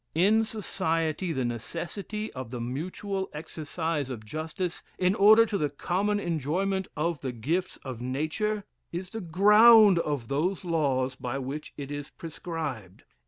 In society, the necessity of the mutual exercise of justice, in order to the common enjoyment of the gifts of nature, is the ground of those laws by which it is prescribed.